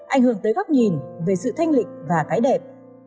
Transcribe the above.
ảnh hưởng tới góc nhìn về sự thanh lịch và cái đẹp